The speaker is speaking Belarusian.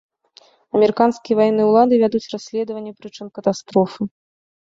Амерыканскія ваенныя ўлады вядуць расследаванне прычын катастрофы.